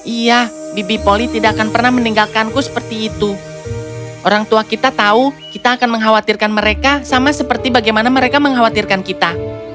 iya bibi poli tidak akan pernah meninggalkanku seperti itu orang tua kita tahu kita akan mengkhawatirkan mereka sama seperti bagaimana mereka mengkhawatirkan kita